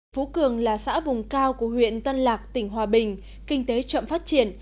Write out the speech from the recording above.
phú cường là xã vùng cao của huyện tân lạc tỉnh hòa bình kinh tế chậm phát triển